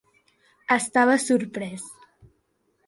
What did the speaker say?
Estava sorprès.